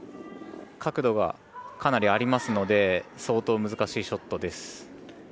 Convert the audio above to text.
角度がかなりありますので相当難しいショットです。